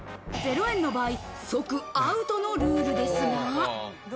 ０円の場合、即アウトのルールですが。